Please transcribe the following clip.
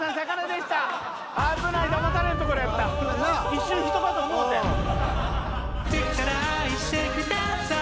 一瞬ヒトかと思うたやん。